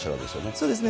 そうですね。